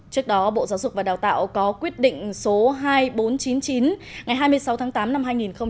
trước đó bộ giáo dục và đào tạo có quyết định số hai nghìn bốn trăm chín mươi chín ngày hai mươi sáu tháng tám năm hai nghìn một mươi chín